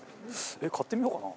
買ってみようかな？